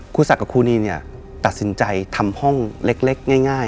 ครูสัตว์กับครูนี้ตัดสินใจทำห้องเล็กง่าย